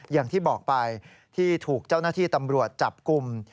อย่างที่บอกไปที่ถูกเจ้าหน้าที่ตำรวจจับกลุ่ม